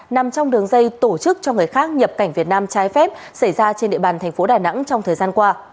nằm trong đường dây tổ chức cho người khác nhập cảnh việt nam trái phép xảy ra trên địa bàn thành phố đà nẵng trong thời gian qua